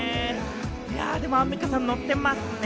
でもアンミカさん、ノってますね。